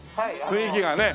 雰囲気がね。